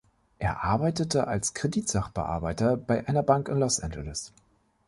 Er arbeitete als Kreditsachbearbeiter bei einer Bank in Los Angeles.